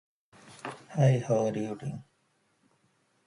His paternal grandparents were Emmanuel Goodhart and Christiana Burford Goodhart.